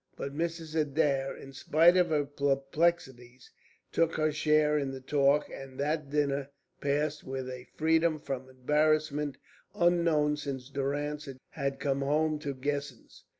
But Mrs. Adair, in spite of her perplexities, took her share in the talk, and that dinner passed with a freedom from embarrassment unknown since Durrance had come home to Guessens.